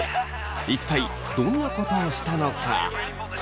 一体どんなことをしたのか？